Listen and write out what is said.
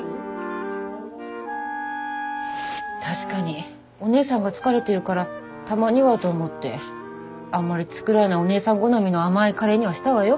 確かにお姉さんが疲れてるからたまにはと思ってあんまり作らないお姉さん好みの甘いカレーにはしたわよ？